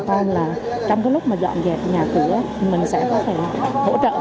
để cho bà con là trong lúc dọn dẹp nhà của mình sẽ có thể hỗ trợ